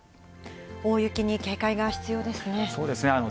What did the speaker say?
大雪に警戒が必要ですね。